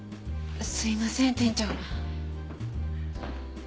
すいません店長。